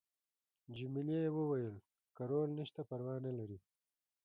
جميلې وويل:: که رول نشته پروا نه لري.